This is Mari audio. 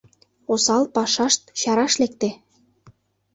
Осал пашашт чараш лекте.